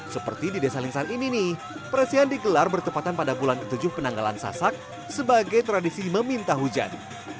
seperti di desa lingsan ini nih presiden digelar bertepatan pada bulan ke tujuh penanggalan sasak sebagai tradisi meminta hujan